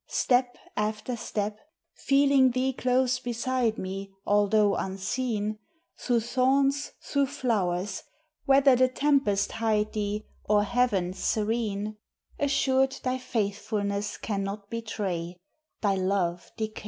Step after step, feeling thee close beside me, Although unseen, Through thorns, through flowers, whether the tenv pest hide thee, Or heavens serene, Assured thy faithfulness cannot betray, Thy love decay.